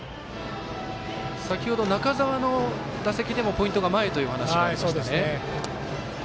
先ほど中澤の打席でもポイントが前というお話がありましたね。